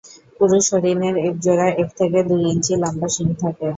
পুরুষ হরিণের এক জোড়া এক থেকে দুই ইঞ্চি লম্বা শিং থাকে।